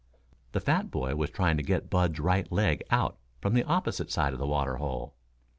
The fat boy was trying to get Bud's right leg out from the opposite side of the water hole.